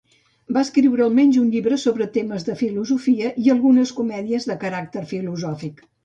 Va escriure almenys un llibre sobre temes de filosofia i algunes comèdies de caràcter filosòfic.